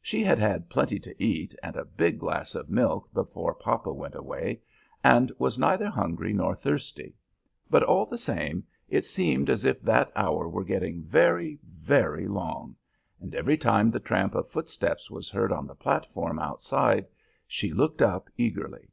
She had had plenty to eat and a big glass of milk before papa went away, and was neither hungry nor thirsty; but all the same, it seemed as if that hour were getting very, very long; and every time the tramp of footsteps was heard on the platform outside she looked up eagerly.